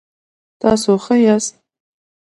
تاسو ښه یاست؟